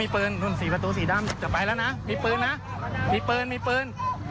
มีปืนกับรถเก่งนี่พี่ดับเข้าเลยรถเก่งอย่าเพิ่งให้ไป